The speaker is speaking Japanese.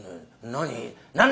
「何？」。